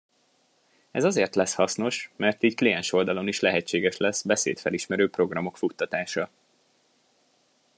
Ez azért lesz hasznos, mert így kliensoldalon is lehetséges lesz beszédfelismerő programok futtatása.